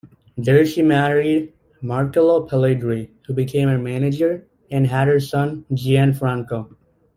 There she married Marcelo Pelegri who became her manager, and had her son Gianfranco.